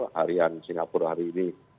harian singapura hari ini